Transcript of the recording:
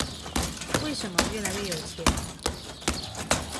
為什麼越來越有錢？